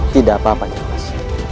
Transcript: tidak apa apanya mas